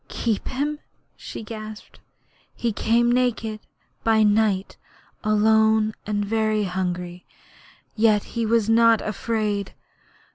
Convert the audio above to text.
'Keep him!' she gasped. 'He came naked, by night, alone and very hungry; yet he was not afraid!